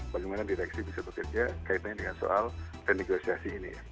bagaimana direksi bisa bekerja kaitannya dengan soal renegosiasi ini ya